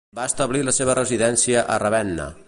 Va establir la seva residència a Ravenna.